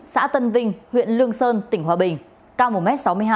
xã tân vinh huyện lương sơn tỉnh hòa bình cao một m sáu mươi hai